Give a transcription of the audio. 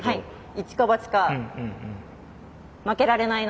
一か八か負けられないので。